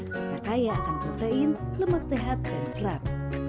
tak kaya akan protein lemak sehat dan serat